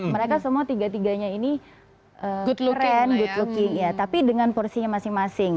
mereka semua tiga tiganya ini keren good looking tapi dengan porsinya masing masing